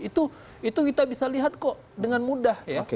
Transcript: itu kita bisa lihat kok dengan mudah